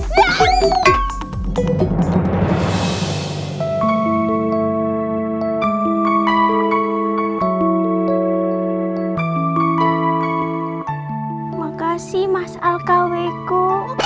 terima kasih mas alkaweko